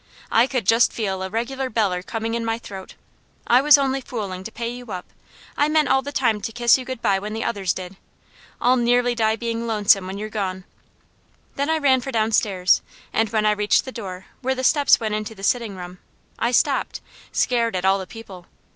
I could just feel a regular beller coming in my throat. "I was only fooling to pay you up. I meant all the time to kiss you good bye when the others did. I'll nearly die being lonesome when you're gone " Then I ran for downstairs, and when I reached the door, where the steps went into the sitting room, I stopped, scared at all the people.